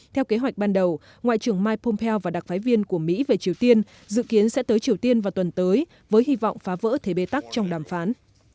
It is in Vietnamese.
theo kế hoạch ban đầu ngoại trưởng mike pompeo và đặc phái viên của mỹ về triều tiên dự kiến sẽ tới triều tiên vào tuần tới với hy vọng phá vỡ thế bê tắc trong đàm phán